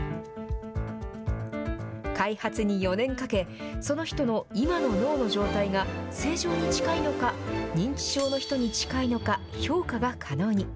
開発に４年かけ、その人の今の脳の状態が正常に近いのか、認知症の人に近いのか、評価が可能に。